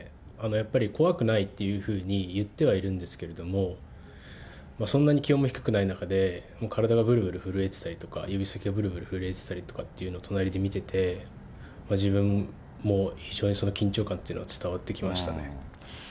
やっぱり怖くないっていうふうに言ってはいるんですけども、そんなに気温が低くない中で、もう体がぶるぶる震えてたりとか、指先がぶるぶる震えてたりっていうのを隣で見てて、自分も非常に緊張感っていうのは伝わってきましたね。